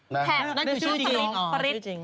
นั่นคือชื่อจริงอ๋อชื่อจริง